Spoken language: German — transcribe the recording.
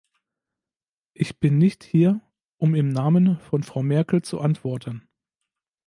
Ich bin nicht hier, um im Namen von Frau Merkel zu antworten.